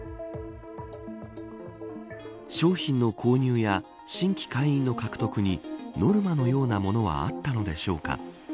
商品の購入や新規会員の獲得にノルマのようなものはあったのでしょうか。